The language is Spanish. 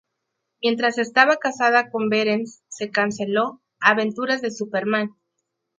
Mientras estaba casada con Behrens, se canceló "Aventuras de Superman".